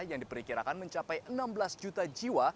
yang diperkirakan mencapai enam belas juta jiwa